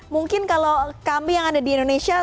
mungkin kalau kami yang ada di indonesia